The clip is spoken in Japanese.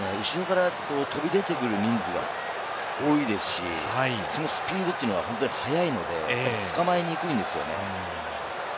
後ろから飛び出て来る人数が多いですし、スピードというのが速いので、捕まえにくいんですよね。